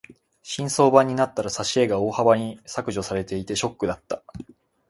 新装版になったら挿絵が大幅に削除されていてショックだった。